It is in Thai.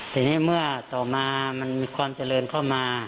ทีนี้เมื่อต่อมามันมีความเจริญเข้ามา